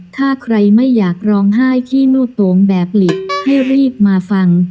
ถ้าใครไม่อยากร้องไห้ขี้นูดโตงแบบหลิดให้รีบมาฟัง